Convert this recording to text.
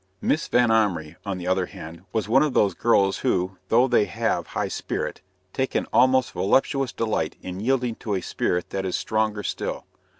Miss Vanhomrigh, on the other hand, was one of those girls who, though they have high spirit, take an almost voluptuous delight in yielding to a spirit that is stronger still.